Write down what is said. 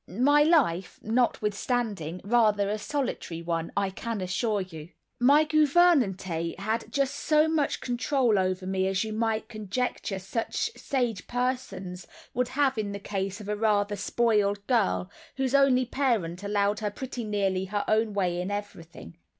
My life was, notwithstanding, rather a solitary one, I can assure you. My gouvernantes had just so much control over me as you might conjecture such sage persons would have in the case of a rather spoiled girl, whose only parent allowed her pretty nearly her own way in everything.